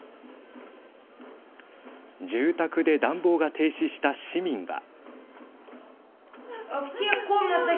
住宅で暖房が停止した市民は。